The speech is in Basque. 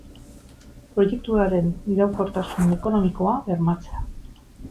Proiektuaren iraunkortasun ekonomikoa bermatzea